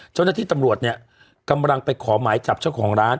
เจ้าหน้าที่ตำรวจเนี่ยกำลังไปขอหมายจับเจ้าของร้าน